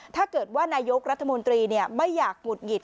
ถ้าเกิดว่านายกรัฐมนตรีไม่อยากหงุดหงิด